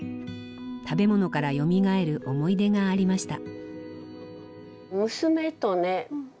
食べ物からよみがえる思い出がありました。